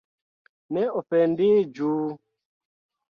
Ne ofendiĝu!